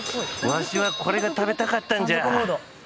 わしはこれが食べたかったんじゃ！